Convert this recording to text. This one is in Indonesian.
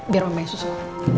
biar mama yang susah